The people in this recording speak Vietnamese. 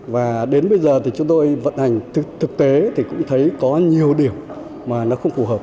và đến bây giờ thì chúng tôi vận hành thực tế thì cũng thấy có nhiều điểm mà nó không phù hợp